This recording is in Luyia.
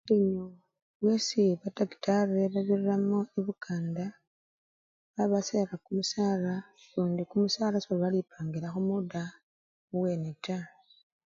Butinyu bwesi badactari babiriramo ibukanda babasere kumushaara lundi kumushaara sebabalipangila khumuda taa